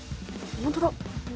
本当だ。